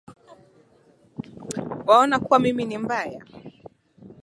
Waona kuwa mimi ni mbaya